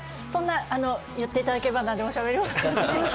言っていただければ何でもしゃべります。